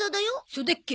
そうだっけ？